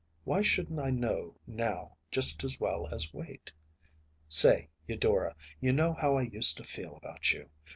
Why shouldn’t I know now just as well as wait? Say, Eudora, you know how I used to feel about you.